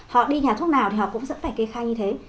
họ đi nhà thuốc nào thì họ cũng sẽ phải kê khai như thế